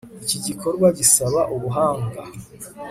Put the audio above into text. Iki gikorwa gisaba ubuhanga